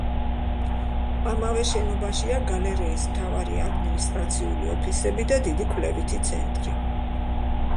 ამავე შენობაშია გალერეის მთავარი ადმინისტრაციული ოფისები და დიდი კვლევითი ცენტრი.